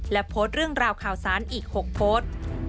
และโพสต์เรื่องราวข่าวสารอีก๖โพสต์